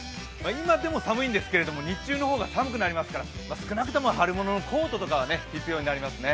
今でも寒いんですけど日中の方が寒くなりますから少なくとも春物のコートとかは必要になりますね。